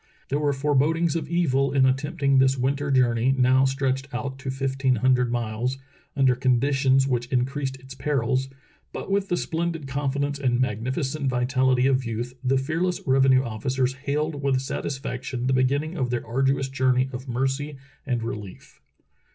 There were fore bodings of evil in attempting this winter journey now stretched out to fifteen hundred miles, under conditions which increased its perils. But with the splendid con fidence and magnificent vitaHty of youth, the fearless revenue officers hailed with satisfaction the beginning of their arduous journey of mercy and relief.